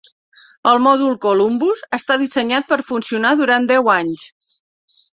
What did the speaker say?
El mòdul Columbus està dissenyat per funcionar durant deu anys.